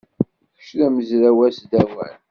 Kečč d amezraw asdawan?